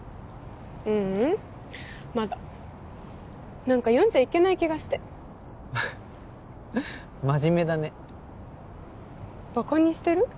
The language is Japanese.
ううんまだ何か読んじゃいけない気がして真面目だねバカにしてる？